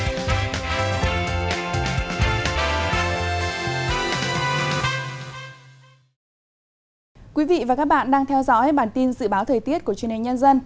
thưa quý vị và các bạn đang theo dõi bản tin dự báo thời tiết của truyền hình nhân dân